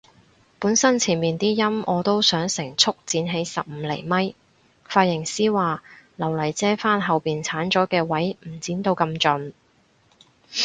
本身前面啲陰我都想成束剪起十五厘米，髮型師話留嚟遮返後面剷咗嘅位唔剪到咁盡